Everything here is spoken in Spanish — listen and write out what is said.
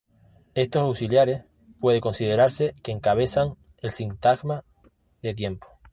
Estos auxiliares puede considerarse que encabezan el sintagma de tiempo.